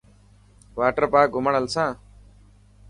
واٽر پارڪ گهمڻ هلسان.